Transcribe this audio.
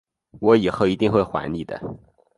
我以后一定会还你的